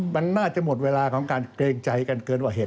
มันน่าจะหมดเวลาของการเกรงใจกันเกินกว่าเหตุ